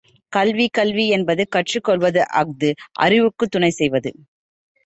கல்வி கல்வி என்பது கற்றுக்கொள்வது அஃது அறிவுக்குத் துணை செய்வது.